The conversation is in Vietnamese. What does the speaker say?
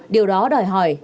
điều đó đòi hỏi